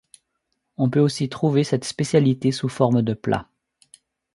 On peut aussi trouver cette spécialité sous forme de plat.